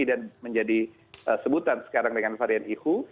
dan menjadi sebutan sekarang dengan varian ihu